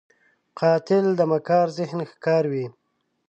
قاتل د مکار ذهن ښکار وي